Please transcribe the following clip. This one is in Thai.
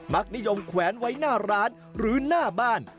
นิยมแขวนไว้หน้าร้านหรือหน้าบ้าน